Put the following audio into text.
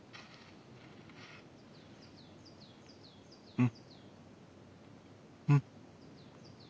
うんうん。